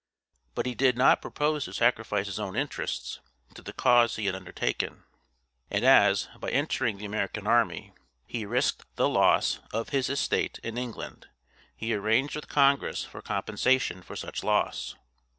But he did not propose to sacrifice his own interests to the cause he had undertaken; and as, by entering the American army, he risked the loss of his estate in England, he arranged with Congress for compensation for such loss.